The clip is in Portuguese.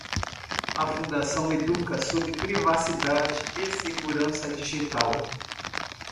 A fundação educa sobre privacidade e segurança digital.